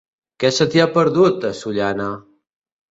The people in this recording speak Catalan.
Què se t'hi ha perdut, a Sollana?